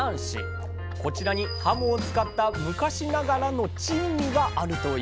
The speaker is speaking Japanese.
こちらにはもを使った昔ながらの珍味があるというんです。